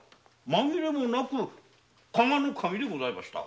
紛れもなく加賀守でございました。